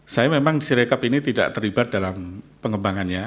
saya memang si rekap ini tidak terlibat dalam pengembangannya